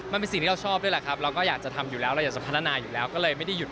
มันเป็นสิ่งที่เราชอบด้วยแหละครับเราก็อยากจะทำอยู่แล้วเราอยากจะพัฒนาอยู่แล้วก็เลยไม่ได้หยุด